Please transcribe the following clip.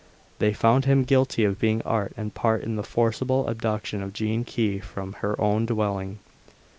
They found him guilty of being art and part in the forcible abduction of Jean Key from her own dwelling.